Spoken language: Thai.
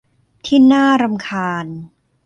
ที่น่ารำคาญ